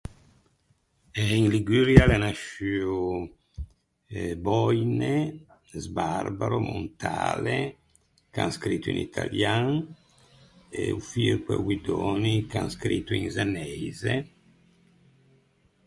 Eh in Liguria l’é nasciuo eh Boine, Sbarbaro, Montale, che an scrito in italian, e o Firpo e o Guidoni che an scrito in zeneise.